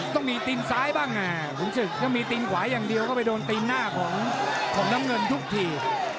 ต้องมีตีนซ้ายบ้างขุนศึกถ้ามีตีนขวาอย่างเดียวก็ไปโดนตีนหน้าของน้ำเงินทุกที